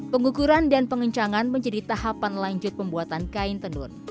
pengukuran dan pengencangan menjadi tahapan lanjut pembuatan kain tenun